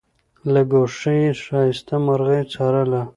له ګوښې یې ښایسته مرغۍ څارله